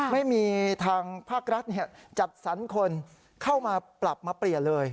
ไม่มีทางภาครัฐจัดสรรคนเข้ามาปรับมาเปลี่ยนเลย